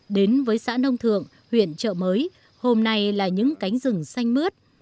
đến với xã nông thường huyện chợ mới hôm nay là những cánh rừng xanh mướt